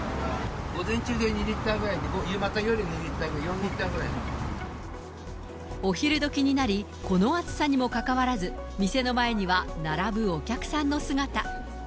午前中で２リッターぐらいで、昼間と夜２リッター、お昼どきになり、この暑さにもかかわらず、店の前には並ぶお客さんの姿。